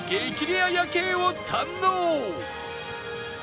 レア夜景を堪能！